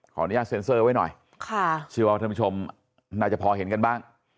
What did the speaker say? อนุญาตเซ็นเซอร์ไว้หน่อยค่ะเชื่อว่าท่านผู้ชมน่าจะพอเห็นกันบ้าง